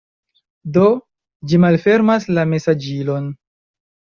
Do, ĝi malfermas la mesaĝilon